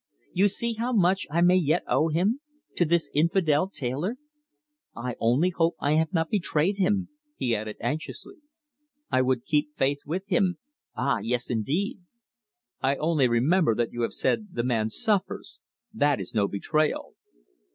You see how much I may yet owe to him to this infidel tailor. I only hope I have not betrayed him," he added anxiously. "I would keep faith with him ah, yes, indeed!" "I only remember that you have said the man suffers. That is no betrayal."